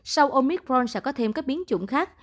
sau omicron sẽ có thêm các biến chủng khác